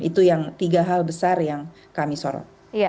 itu yang tiga hal besar yang kami sorot